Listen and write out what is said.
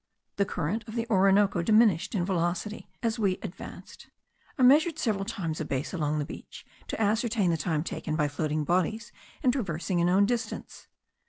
The current of the Orinoco diminished in velocity as we advanced. I measured several times a base along the beach, to ascertain the time taken by floating bodies in traversing a known distance.